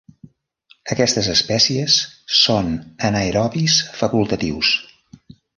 Aquestes espècies són anaerobis facultatius.